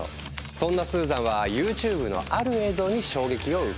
そんなスーザンはＹｏｕＴｕｂｅのある映像に衝撃を受ける。